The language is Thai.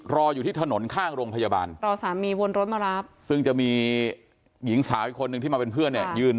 รออยู่ที่ถนนข้างโรงพยาบาลรอสามีวนรถมารับซึ่งจะมีหญิงสาวอีกคนนึงที่มาเป็นเพื่อนเนี่ยยืน